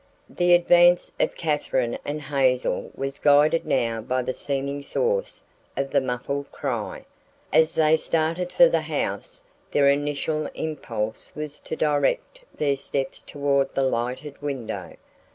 The advance of Katherine and Hazel was guided now by the seeming source of the muffled cry. As they started for the house, their initial impulse was to direct their steps toward the lighted window.